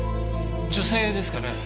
女性ですかね。